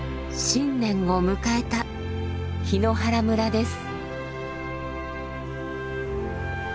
新年を迎えた檜原村です。